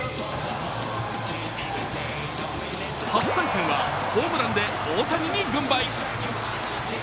初対戦はホームランで大谷に軍配。